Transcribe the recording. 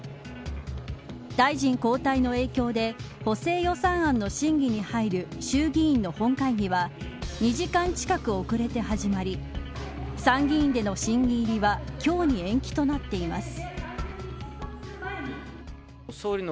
大臣交代の影響で補正予算案の審議に入る衆議院の本会議は２時間近く遅れて始まり参議院での審議入りは今日に延期となっています。